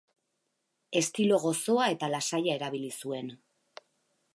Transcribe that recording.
Estilo gozoa eta lasaia erabili zuen.